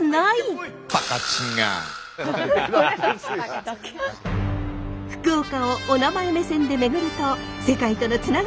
福岡を「おなまえ」目線で巡ると世界とのつながりが見えてきた！